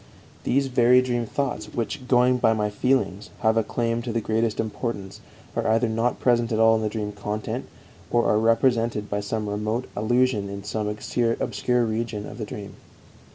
These very dream thoughts which, going by my feelings, have a claim to the greatest importance are either not present at all in the dream content, or are represented by some remote allusion in some obscure region of the dream.